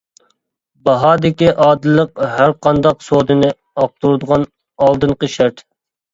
باھادىكى ئادىللىق ھەرقانداق سودىنى ئاقتۇرىدىغان ئالدىنقى شەرت.